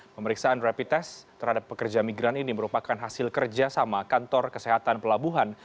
pemeriksaan rapid test terhadap pekerja migran ini merupakan hasil kerjasama kantor kesehatan pelabuhan